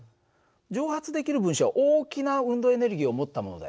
蒸発できる分子は大きな運動エネルギーを持ったものだよね。